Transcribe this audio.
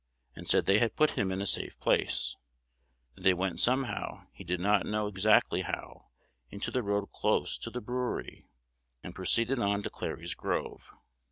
and said they had put him in a safe place; that they went somehow, he did not know exactly how, into the road close to the brewery, and proceeded on to Clary's Grove.